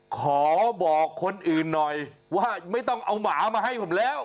ขอบอกคนอื่นหน่อยว่าไม่ต้องเอาหมามาให้ผมแล้ว